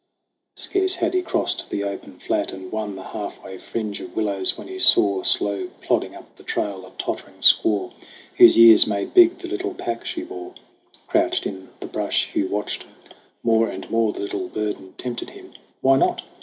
Scarce had he crossed the open flat, and won The half way fringe of willows, when he saw, Slow plodding up the trail, a tottering squaw Whose years made big the little pack she bore. Crouched in the brush Hugh watched her. More and more The little burden tempted him. Why not